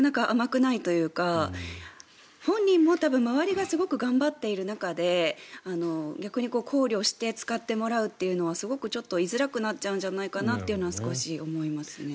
危ないというか本人も、周りがすごく頑張っている中で逆に考慮して使ってもらうというのはすごく居づらくなっちゃうんじゃないかなというのは少し思いますね。